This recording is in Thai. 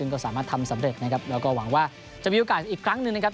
ก็สามารถทำสำเร็จนะครับแล้วก็หวังว่าจะมีโอกาสอีกครั้งหนึ่งนะครับ